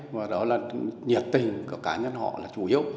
và đó là nhiệt tình của cá nhân họ là chủ yếu